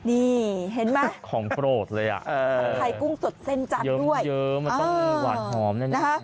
นี่เห็นไหมของโปรดเลยอ่ะของไทยกุ้งสดเส้นจันทร์ด้วยเยอะมันต้องหวานหอมนะฮะ